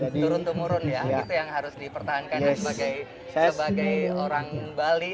turun temurun ya itu yang harus dipertahankan sebagai orang bali